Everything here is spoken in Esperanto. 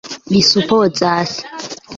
Mi supozas.